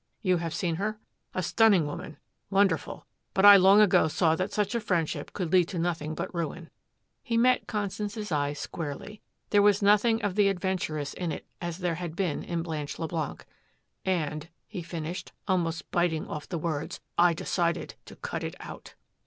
You have seen her? A stunning woman wonderful. But I long ago saw that such a friendship could lead to nothing but ruin." He met Constance's eye squarely. There was nothing of the adventuress in it as there had been in Blanche Leblanc. "And," he finished, almost biting off the words, "I decided to cut it out."